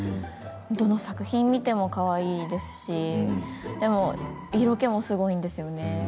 どの作品を見てもかわいいですしでも色気もすごいんですよね。